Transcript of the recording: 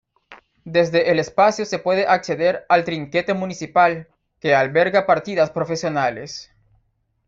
Desde el espacio se puede acceder al trinquete municipal, que alberga partidas profesionales.